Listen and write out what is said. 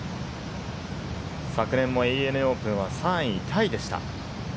昨年もＡＮＡオープンは３位タイでした。